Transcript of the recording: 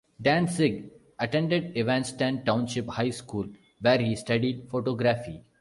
Dantzig attended Evanston Township High School where he studied photography.